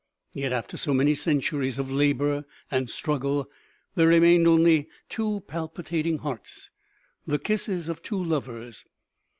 Yet after so many cen turies of labor and struggle, there remained only two pal pitating hearts, the kisses of two lovers.